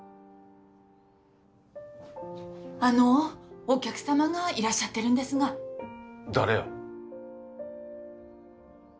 あのお客様がいらっしゃってるんですが誰や？